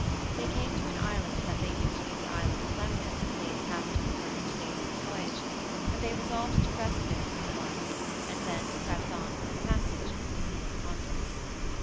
They came to an island that they knew to be that Island of Lemnos that they had passed on the first days of the voyage, and they resolved to rest there for a while, and then to press on for the passage into the Sea of Pontus.